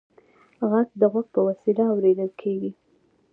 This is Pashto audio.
غږ د غوږ په وسیله اورېدل کېږي.